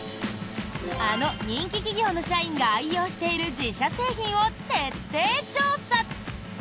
あの人気企業の社員が愛用している自社製品を徹底調査！